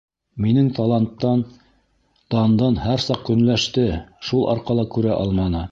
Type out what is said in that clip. Минең таланттан, дандан һәр саҡ көнләште, шул арҡала күрә алманы.